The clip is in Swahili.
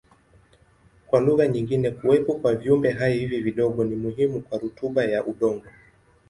Kwa lugha nyingine kuwepo kwa viumbehai hivi vidogo ni muhimu kwa rutuba ya udongo.